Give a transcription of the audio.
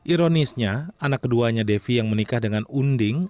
ironisnya anak keduanya devi yang menikah dengan unding